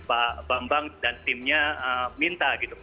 pak bambang dan timnya minta gitu